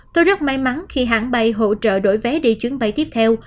tôi rất may mắn khi hãng bay hỗ trợ đổi vé đi chuyến bay tiếp theo